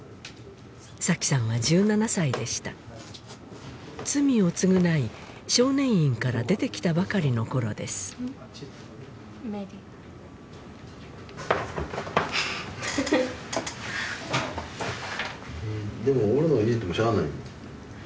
紗妃さんは１７歳でした罪を償い少年院から出てきたばかりの頃ですでも俺のに入れてもしゃあないもん